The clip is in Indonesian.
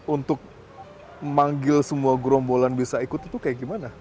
untuk manggil semua gerombolan bisa ikut itu kayak gimana